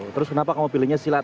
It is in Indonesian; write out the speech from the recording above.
terus kenapa kamu pilihnya silat